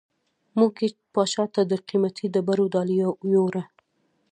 مور یې پاچا ته د قیمتي ډبرو ډالۍ یووړه.